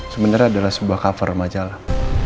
sebenarnya adalah sebuah cover majalah